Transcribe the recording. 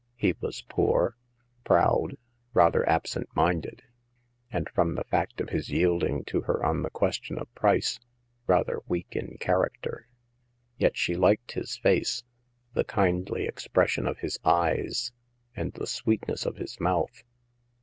He was poor, proud, rather absent minded ; and— from the fact of his yielding to her on the question of price — rather weak in character. Yet she liked his face, the kindly expression of his eyes, and the sweetness of his mouth.